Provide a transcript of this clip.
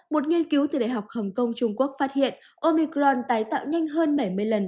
một nghiên cứu từ đại học hồng kông trung quốc phát hiện omicron tái tạo nhanh hơn bảy mươi lần